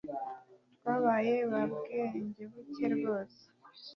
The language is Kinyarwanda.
Twabaye ba bwengebuke rwose